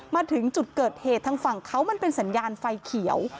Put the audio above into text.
มาถึงจุดเกิดเหตุทางฝั่งเขามันเป็นสัญญาณไฟเขียว